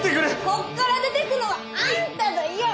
こっから出ていくのはあんただよ！